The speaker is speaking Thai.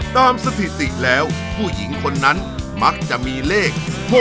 สถิติแล้วผู้หญิงคนนั้นมักจะมีเลข๖๖